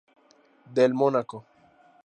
Del Mónaco.